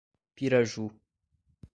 Piraju